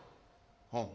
「はあ。